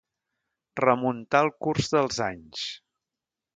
Remuntar el curs dels anys.